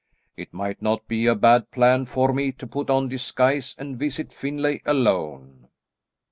It might not be a bad plan for me to put on disguise and visit Finlay alone."